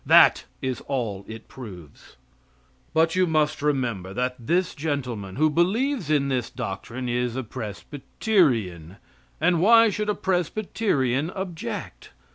That is all it proves. But you must remember that this gentleman who believes in this doctrine is a Presbyterian, and why should a Presbyterian object?